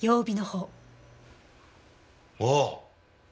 ああ。